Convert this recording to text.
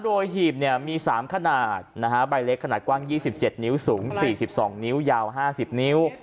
โดยหีบมี๓ขนาดใบเล็กขนาดกว้าง๒๗นิ้วสูง๔๒นิ้วยาว๕๐นิ้ว